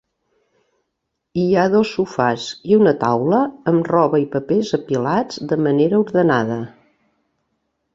Hi ha dos sofàs i una taula amb roba i papers apilats de manera ordenada.